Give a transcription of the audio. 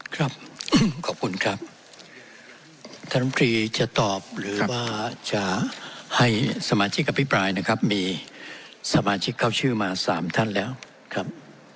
ท่านนมพลีจะตอบหรือว่าจะให้สมาชิกกับพี่ปลายนะครับมีสมาชิกเข้าชื่อมาสามท่านแล้วครับ